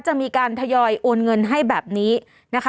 จะมีการทยอยโอนเงินให้แบบนี้นะคะ